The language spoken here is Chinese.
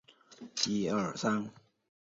而两款卡不能同时放入卡组。